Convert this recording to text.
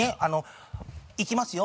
いきますよ？